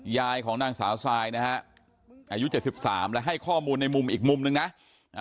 ยายของด้านสาวซายอายุ๗๓และให้ข้อมูลในอีกมุมนะ